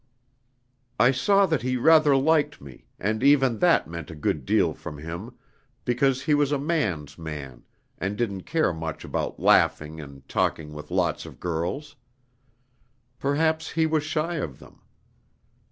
"I saw that he rather liked me, and even that meant a good deal from him, because he was a man's man, and didn't care much about laughing and talking with lots of girls. Perhaps he was shy of them.